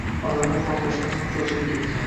Odamlar portlashdan so’ng sochilib ketgan